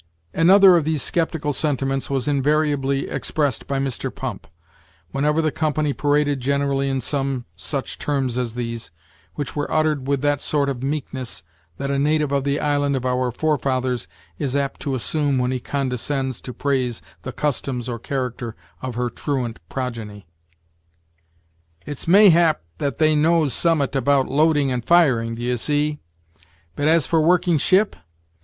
Another of these skeptical sentiments was invariably expressed by Mr. Pump, whenever the company paraded generally in some such terms as these, which were uttered with that sort of meekness that a native of the island of our forefathers is apt to assume when he condescends to praise the customs or character of her truant progeny: "It's mayhap that they knows summat about loading and firing, d'ye see, but as for working ship?